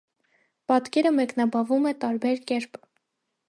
Պատկերը մեկնաբանվում է տարբեր կերպ։